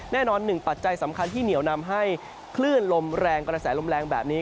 หนึ่งปัจจัยสำคัญที่เหนียวนำให้คลื่นลมแรงกระแสลมแรงแบบนี้